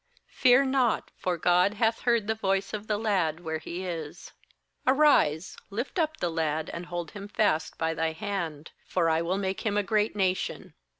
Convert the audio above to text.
fear not; for God hath heard the voice of the lad where he is. 18Arise, lift up the lad, and hold him fast by thy hand; for I will make him a great nation.'